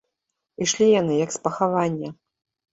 Ішлі яны, як з пахавання.